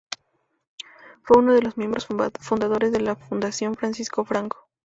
Fue uno de los miembros fundadores de la Fundación Francisco Franco.